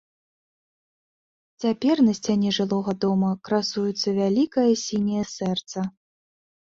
Цяпер на сцяне жылога дома красуецца вялікае сіняе сэрца.